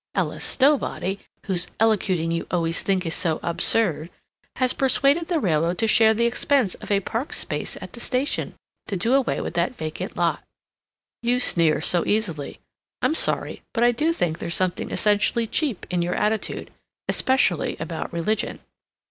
Ella Stowbody (whose elocuting you always think is so absurd) has persuaded the railroad to share the expense of a parked space at the station, to do away with that vacant lot. "You sneer so easily. I'm sorry, but I do think there's something essentially cheap in your attitude. Especially about religion.